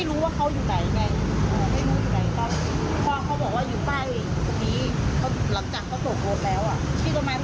ตอนนี้หลังจากเขาโตโกรธแล้ว